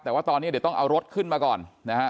แต่ว่าตอนนี้เดี๋ยวต้องเอารถขึ้นมาก่อนนะฮะ